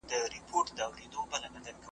ما ونيسئ چې وۀ نۀ خورم توډې پۀ مېخانه کښې